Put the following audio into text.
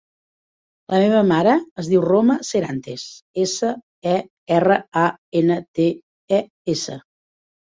La meva mare es diu Roma Serantes: essa, e, erra, a, ena, te, e, essa.